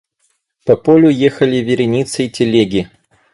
По полю ехали вереницей телеги.